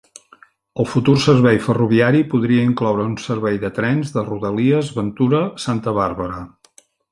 El futur servei ferroviari podria incloure un servei de trens de rodalies Ventura-Santa Barbara.